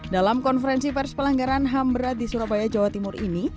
dalam konferensi perspelanggaran hambra di surabaya jawa timur ini